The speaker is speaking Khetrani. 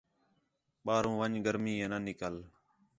بار ون٘ڄ گرمی ہے نہ نکلے